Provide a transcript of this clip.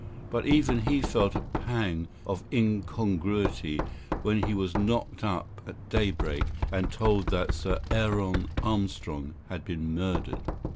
But even he felt a pang of incongruity when he was knocked up at daybreak and told that Sir Aaron Armstrong had been murdered.